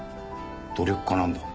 努力家なんだ。